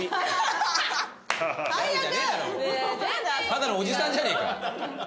ただのおじさんじゃねえか。